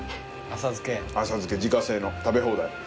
浅漬け自家製の食べ放題。